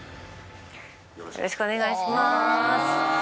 よろしくお願いします。